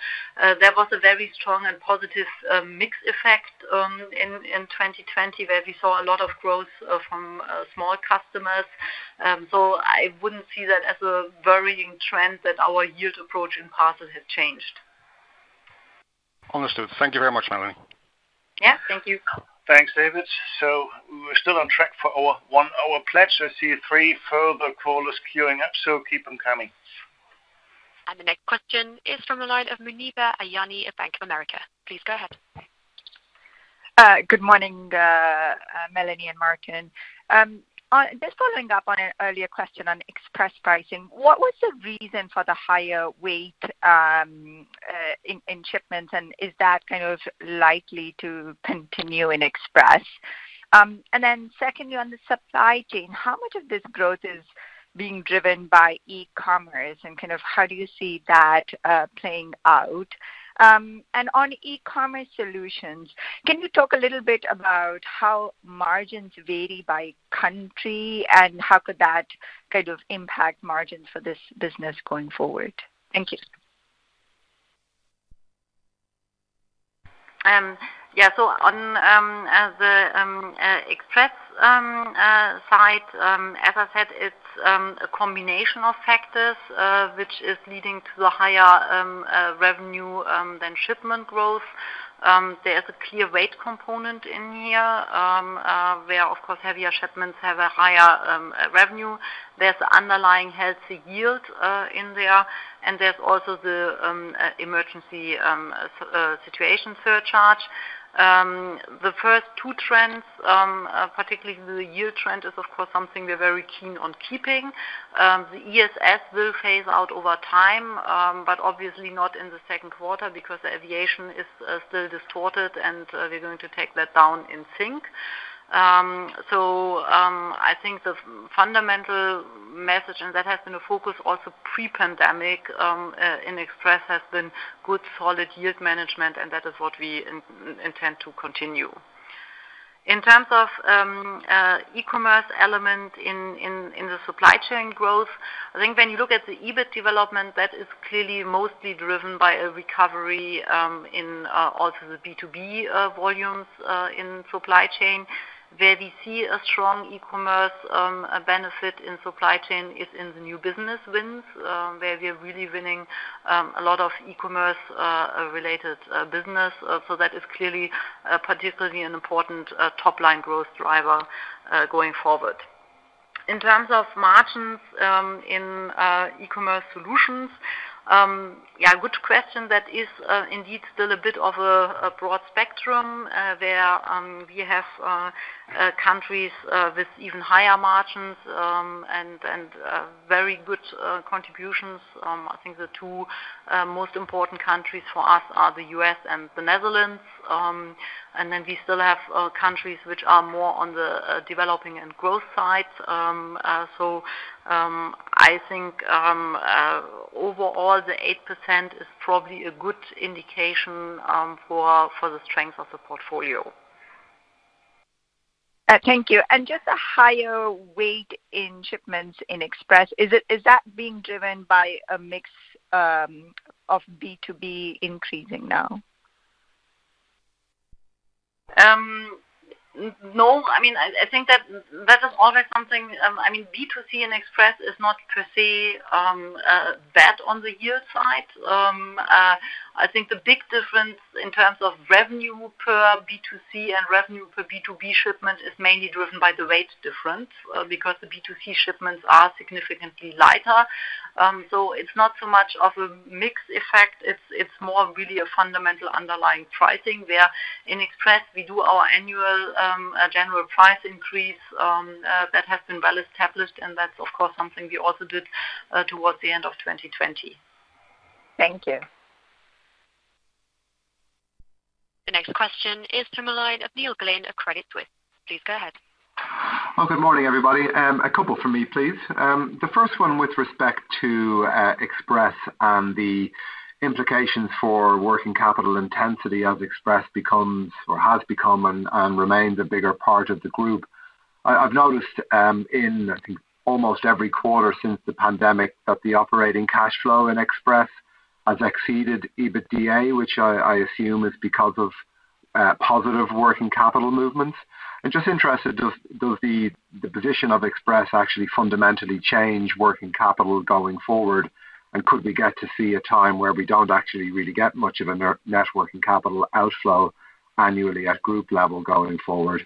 There was a very strong and positive mix effect in 2020 where we saw a lot of growth from small customers. I wouldn't see that as a varying trend that our yield approach in parcels has changed. Understood. Thank you very much, Melanie. Yeah, thank you. Thanks, David. We're still on track for our one-hour pledge. I see three further callers queuing up, so keep them coming. The next question is from the line of Muneeba Kayani of Bank of America. Please go ahead. Good morning, Melanie and Martin. Just following up on an earlier question on Express pricing, what was the reason for the higher weight in shipments, and is that kind of likely to continue in Express? Secondly, on the Supply Chain, how much of this growth is being driven by e-commerce, and kind of how do you see that playing out? On eCommerce Solutions, can you talk a little bit about how margins vary by country, and how could that kind of impact margins for this business going forward? Thank you. Yeah. On the Express side, as I said, it's a combination of factors, which is leading to the higher revenue than shipment growth. There is a clear weight component in here, where, of course, heavier shipments have a higher revenue. There's underlying healthy yield in there, and there's also the emergency situation surcharge. The first two trends, particularly the yield trend, is, of course, something we're very keen on keeping. The ESS will phase out over time, but obviously not in the second quarter because the aviation is still distorted, and we're going to take that down in sync. I think the fundamental message, and that has been a focus also pre-pandemic, in Express has been good, solid yield management, and that is what we intend to continue. In terms of e-commerce element in the Supply Chain growth, I think when you look at the EBIT development, that is clearly mostly driven by a recovery in also the B2B volumes, in Supply Chain. Where we see a strong e-commerce benefit in Supply Chain is in the new business wins, where we are really winning a lot of e-commerce-related business. That is clearly particularly an important top-line growth driver going forward. In terms of margins in eCommerce Solutions, good question. That is indeed still a bit of a broad spectrum, where we have countries with even higher margins, and very good contributions. I think the two most important countries for us are the U.S. and the Netherlands. We still have countries which are more on the developing and growth side. I think, overall, the 8% is probably a good indication for the strength of the portfolio. Thank you. Just a higher weight in shipments in Express. Is that being driven by a mix of B2B increasing now? No. I think that is always something. B2C and Express is not per se bad on the yield side. I think the big difference in terms of revenue per B2C and revenue per B2B shipment is mainly driven by the rate difference, because the B2C shipments are significantly lighter. It's not so much of a mix effect, it's more really a fundamental underlying pricing where in Express we do our annual general price increase, that has been well established, and that's of course, something we also did towards the end of 2020. Thank you. The next question is from the line of Neil Glynn of Credit Suisse. Please go ahead. Well, good morning, everybody. A couple from me, please. The first one with respect to Express and the implications for working capital intensity as Express becomes or has become and remains a bigger part of the group. I've noticed, in, I think almost every quarter since the pandemic that the operating cash flow in Express has exceeded EBITDA, which I assume is because of positive working capital movements. Just interested, does the position of Express actually fundamentally change working capital going forward? Could we get to see a time where we don't actually really get much of a net working capital outflow annually at group level going forward?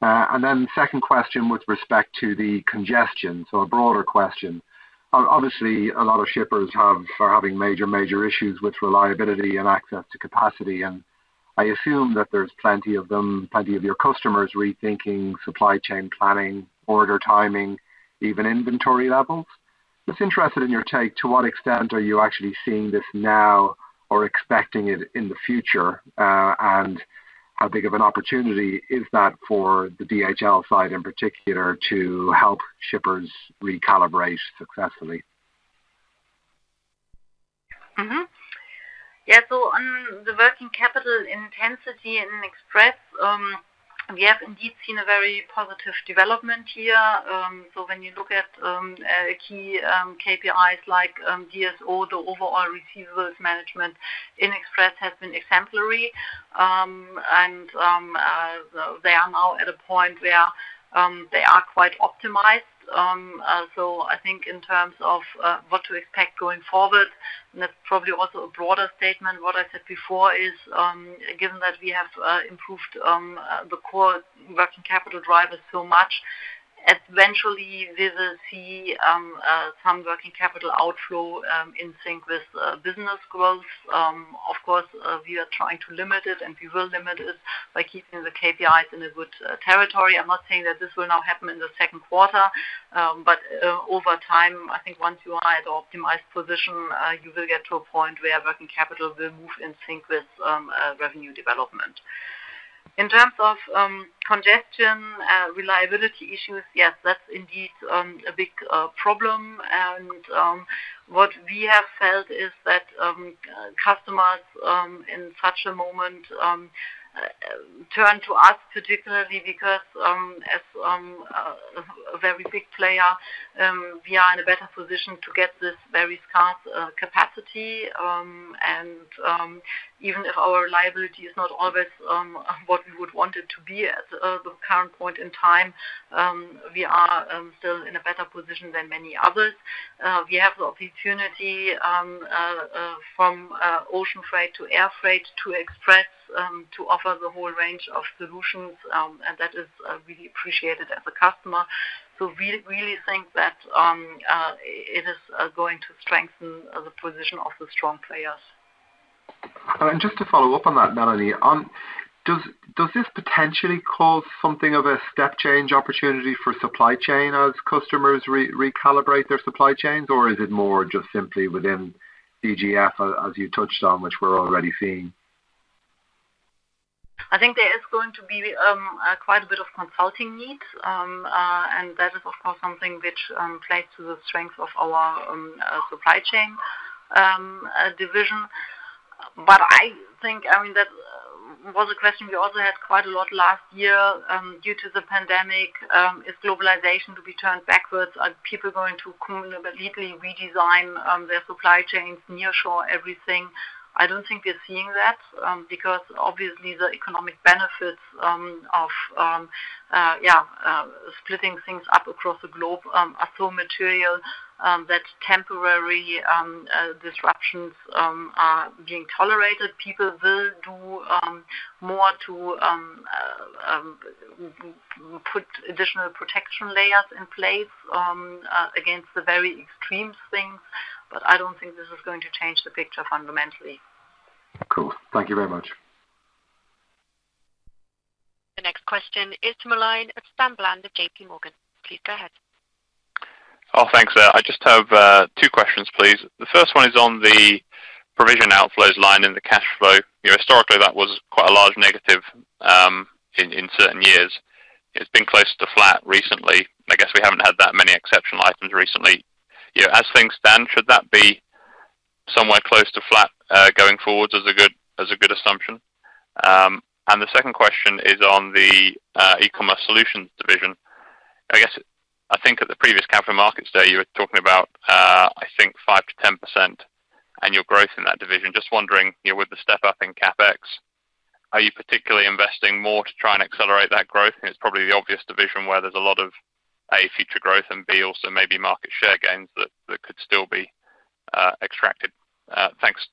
Second question with respect to the congestion. A broader question. Obviously, a lot of shippers are having major issues with reliability and access to capacity, and I assume that there's plenty of them, plenty of your customers rethinking Supply Chain planning, order timing, even inventory levels. Just interested in your take, to what extent are you actually seeing this now or expecting it in the future? How big of an opportunity is that for the DHL side in particular to help shippers recalibrate successfully? Yeah. On the working capital intensity in Express, we have indeed seen a very positive development here. When you look at key KPIs like DSO, the overall receivables management in Express has been exemplary. They are now at a point where they are quite optimized. I think in terms of what to expect going forward, and that's probably also a broader statement. What I said before is, given that we have improved the core working capital drivers so much, eventually we will see some working capital outflow in sync with business growth. Of course, we are trying to limit it, and we will limit it by keeping the KPIs in a good territory. I'm not saying that this will now happen in the second quarter, but over time, I think once you are at the optimized position, you will get to a point where working capital will move in sync with revenue development. In terms of congestion, reliability issues, yes, that's indeed a big problem. What we have felt is that customers, in such a moment, turn to us particularly because, as a very big player, we are in a better position to get this very scarce capacity. Even if our reliability is not always what we would want it to be at the current point in time, we are still in a better position than many others. We have the opportunity, from ocean freight to air freight to Express, to offer the whole range of solutions, and that is really appreciated as a customer. We really think that it is going to strengthen the position of the strong players. Just to follow up on that, Melanie. Does this potentially cause something of a step change opportunity for Supply Chain as customers recalibrate their Supply Chains? Or is it more just simply within DGF as you touched on, which we're already seeing? I think there is going to be quite a bit of consulting needs. That is, of course, something which plays to the strength of our Supply Chain division. I think that was a question we also had quite a lot last year due to the pandemic. Is globalization to be turned backwards? Are people going to completely redesign their Supply Chains, nearshore everything? I don't think we are seeing that, because obviously the economic benefits of splitting things up across the globe are so material that temporary disruptions are being tolerated. People will do more to put additional protection layers in place against the very extreme things, but I don't think this is going to change the picture fundamentally. Cool. Thank you very much. The next question is to the line of Sam Bland of JPMorgan. Please go ahead. Oh, thanks. I just have two questions, please. The first one is on the provision outflows line in the cash flow. Historically, that was quite a large negative in certain years. It's been close to flat recently, and I guess we haven't had that many exceptional items recently. As things stand, should that be somewhere close to flat, going forward as a good assumption? The second question is on the eCommerce Solutions division. I think at the previous Capital Markets Day, you were talking about, I think 5%-10% annual growth in that division. Just wondering, with the step up in CapEx, are you particularly investing more to try and accelerate that growth? It's probably the obvious division where there's a lot of, A, future growth and B, also maybe market share gains that could still be extracted. Thanks.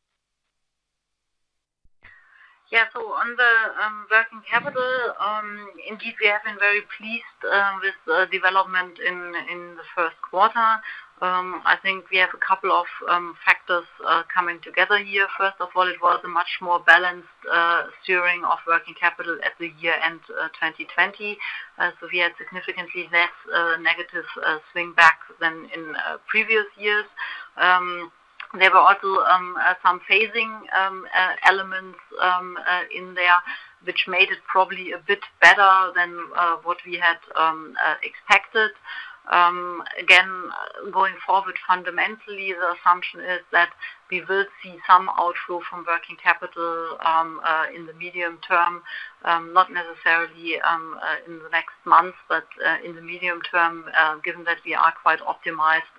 Yeah. On the working capital, indeed we have been very pleased, with the development in the first quarter. I think we have a couple of factors, coming together here. First of all, it was a much more balanced steering of working capital at the year-end 2020. We had significantly less negative swing back than in previous years. There were also some phasing elements in there, which made it probably a bit better than what we had expected. Again, going forward, fundamentally, the assumption is that we will see some outflow from working capital in the medium term, not necessarily in the next months, but in the medium term, given that we are quite optimized,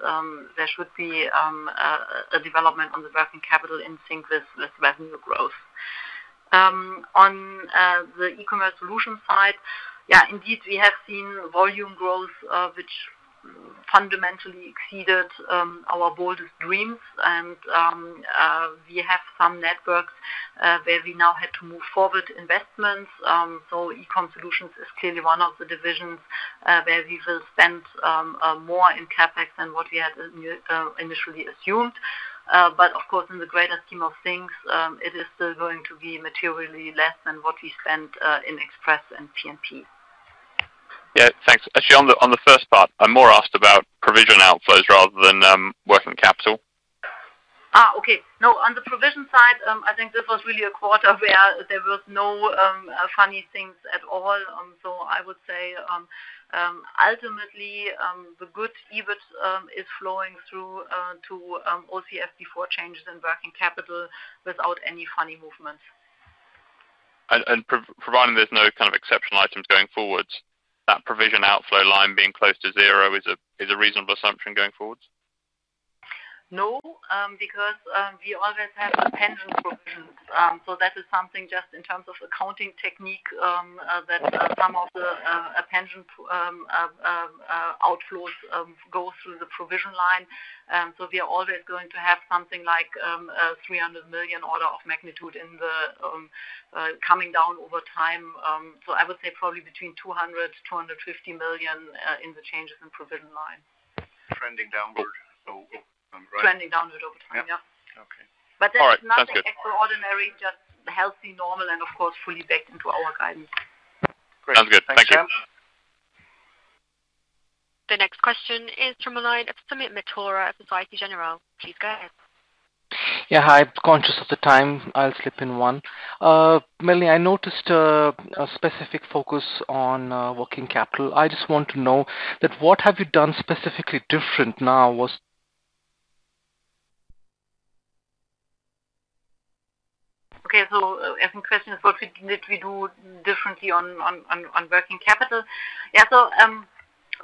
there should be a development on the working capital in sync with revenue growth. On the e-commerce solution side, yeah, indeed, we have seen volume growth, which fundamentally exceeded our boldest dreams. We have some networks, where we now had to move forward investments. eCommerce Solutions is clearly one of the divisions where we will spend more in CapEx than what we had initially assumed. Of course, in the greater scheme of things, it is still going to be materially less than what we spend, in Express and P&P. Yeah. Thanks. Actually, on the first part, I more asked about provision outflows rather than working capital. Okay. No, on the provision side, I think this was really a quarter where there was no funny things at all. I would say, ultimately, the good EBIT is flowing through to OCF before changes in working capital without any funny movements. Providing there's no kind of exceptional items going forwards, that provision outflow line being close to zero is a reasonable assumption going forwards? No, because, we always have a pension provision. That is something just in terms of accounting technique, that some of the pension outflows go through the provision line. We are always going to have something like 300 million order of magnitude in the, coming down over time. I would say probably between 200 million-250 million in the changes in provision line. Trending downward. Over time, right? Trending downward over time. Yeah. Okay. All right. Sounds good. There is nothing extraordinary, just healthy, normal, and of course, fully baked into our guidance. Sounds good, thank you. Great, thanks Sam. The next question is from the line of Sumit Mehrotra at Société Générale. Please go ahead. Yeah. Hi. Conscious of the time, I'll slip in one. Melanie, I noticed a specific focus on working capital. I just want to know that what have you done specifically different now? Okay. I think question is what we do differently on working capital.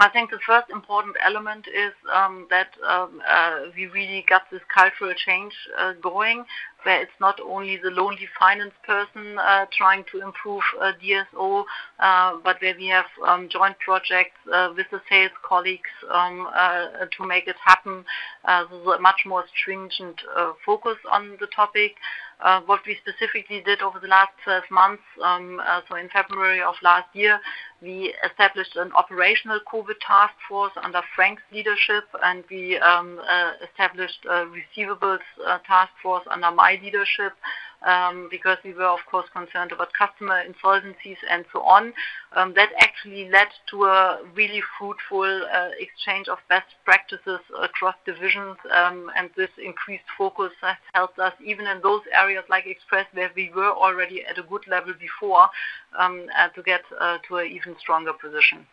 I think the first important element is that we really got this cultural change going where it's not only the lonely finance person trying to improve DSO, but where we have joint projects with the sales colleagues to make it happen. There's a much more stringent focus on the topic. What we specifically did over the last 12 months, in February of last year, we established an operational COVID task force under Frank's leadership, and we established a receivables task force under my leadership, because we were, of course, concerned about customer insolvencies and so on. That actually led to a really fruitful exchange of best practices across divisions. This increased focus has helped us even in those areas like Express, where we were already at a good level before, to get to a even stronger position.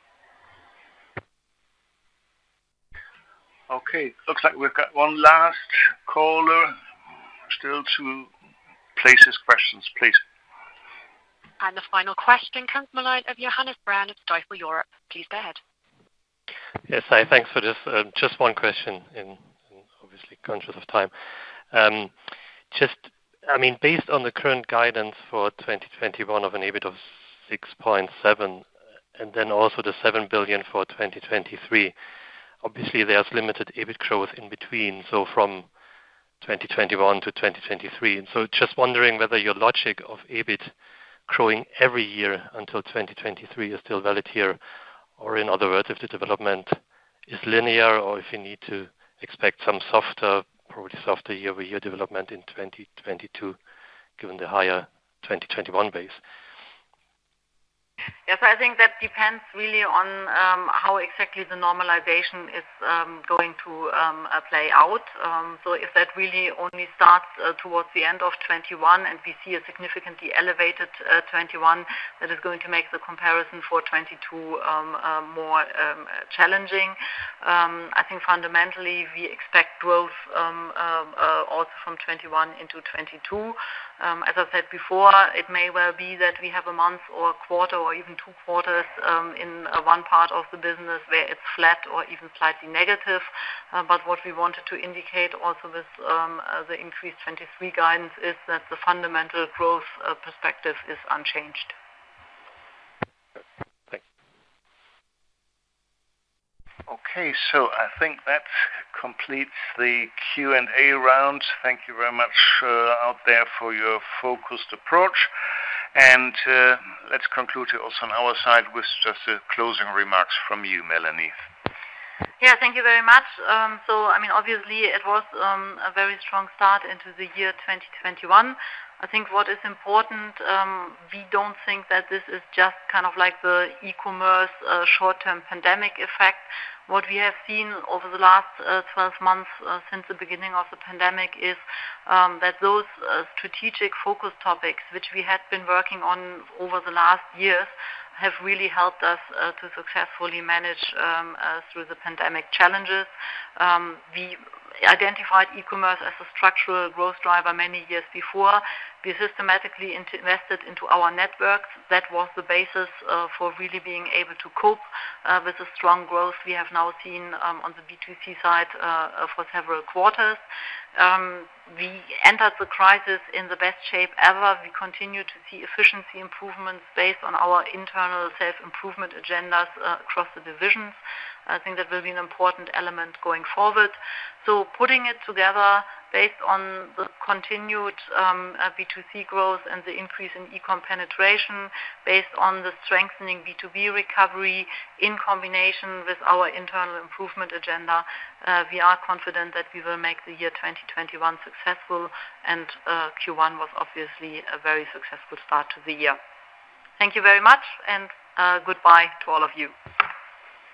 Okay, looks like we've got one last caller. Still two places, questions, please. The final question comes from the line of Johannes Braun at Stifel Europe. Please go ahead. Yes. Thanks, for this. Just one question and obviously conscious of time. Based on the current guidance for 2021 of an EBIT of 6.7 and then also the 7 billion for 2023, obviously, there's limited EBIT growth in between, so from 2021-2023. Just wondering whether your logic of EBIT growing every year until 2023 is still valid here, or in other words, if the development is linear or if you need to expect some softer, probably softer year-over-year development in 2022 given the higher 2021 base. Yes. I think that depends really on how exactly the normalization is going to play out. If that really only starts towards the end of 2021 and we see a significantly elevated 2021, that is going to make the comparison for 2022 more challenging. I think fundamentally, we expect growth also from 2021 into 2022. As I said before, it may well be that we have a month or a quarter or even two quarters in one part of the business where it's flat or even slightly negative. What we wanted to indicate also with the increased 2023 guidance is that the fundamental growth perspective is unchanged. Thanks. Okay. I think that completes the Q&A round. Thank you very much out there for your focused approach. Let's conclude also on our side with just the closing remarks from you, Melanie. Yeah. Thank you very much. Obviously, it was a very strong start into the year 2021. I think what is important, we don't think that this is just like the e-commerce short-term pandemic effect. What we have seen over the last 12 months since the beginning of the pandemic is that those strategic focus topics which we had been working on over the last years have really helped us to successfully manage through the pandemic challenges. We identified e-commerce as a structural growth driver many years before. We systematically invested into our networks. That was the basis for really being able to cope with the strong growth we have now seen on the B2C side for several quarters. We entered the crisis in the best shape ever. We continue to see efficiency improvements based on our internal self-improvement agendas across the divisions. I think that will be an important element going forward. Putting it together based on the continued B2C growth and the increase in e-com penetration, based on the strengthening B2B recovery in combination with our internal improvement agenda, we are confident that we will make the year 2021 successful, and Q1 was obviously a very successful start to the year. Thank you very much, and goodbye to all of you.